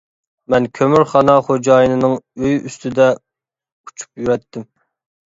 مەن كۆمۈرخانا خوجايىنىنىڭ ئۆيى ئۈستىدە ئۇچۇپ يۈرەتتىم.